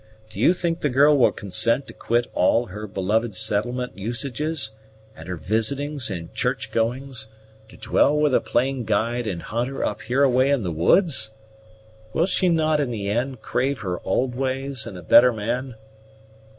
Do you think the girl will consent to quit all her beloved settlement usages, and her visitings and church goings, to dwell with a plain guide and hunter up hereaway in the woods? Will she not in the end, crave her old ways, and a better man?"